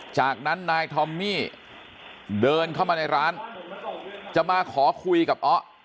จากนั้นนายทอมมี่เดินเข้ามาในร้านจะมาขอคุยกับอ๊อ